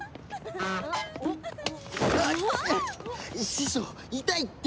師匠痛いって！